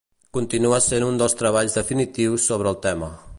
Continua sent un dels treballs definitius sobre el tema.